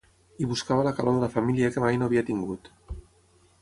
I buscava la calor de la família que mai no havia tingut.